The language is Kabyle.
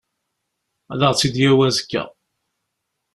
Ad aɣ-tt-id-yawi azekka.